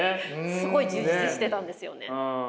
すごい充実してたんですよね。